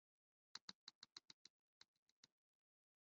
南萨默塞特是一个位于英格兰萨默塞特郡的非都市区。